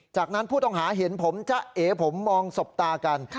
จากนั้นผู้ต้องหาเห็นผมจะเอผมมองสบตากัน